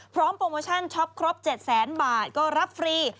พร้อมโปรโมชั่นช็อปครบ๗๐๐บาทก็รับฟรี